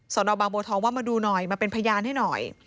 นบางบัวทองว่ามาดูหน่อยมาเป็นพยานให้หน่อย